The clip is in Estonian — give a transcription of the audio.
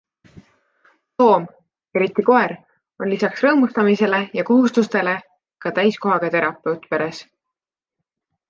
Loom, eriti koer, on lisaks rõõmustamisele ja kohustustele ka täiskohaga terapeut peres.